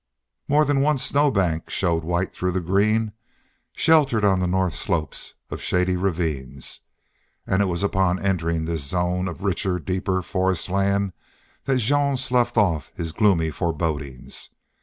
More than one snow bank showed white through the green, sheltered on the north slopes of shady ravines. And it was upon entering this zone of richer, deeper forestland that Jean sloughed off his gloomy forebodings.